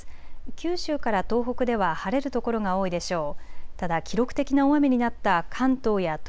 九州から東北では晴れる所が多いでしょう。